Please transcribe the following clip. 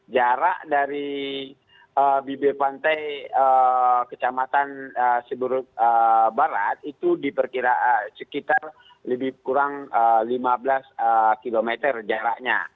jarak dari bibir pantai kecamatan seberut barat itu diperkira sekitar lebih kurang lima belas km jaraknya